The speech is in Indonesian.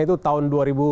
itu tahun dua ribu delapan